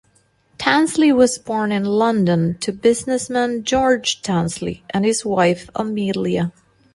Tansley was born in London to businessman George Tansley and his wife Amelia.